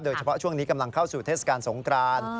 ช่วงนี้กำลังเข้าสู่เทศกาลสงคราน